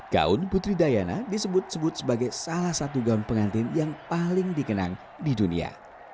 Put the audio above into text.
gaun putri diana disebut sebut sebagai salah satu gaun pengantin yang paling dikenang di dunia